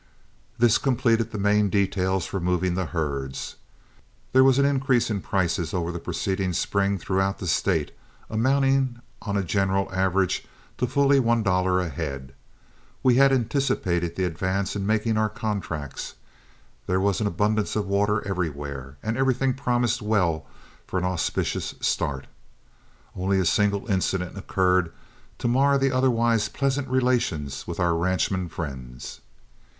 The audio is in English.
This completed the main details for moving the herds. There was an increase in prices over the preceding spring throughout the State, amounting on a general average to fully one dollar a head. We had anticipated the advance in making our contracts, there was an abundance of water everywhere, and everything promised well for an auspicious start. Only a single incident occurred to mar the otherwise pleasant relations with our ranchmen friends.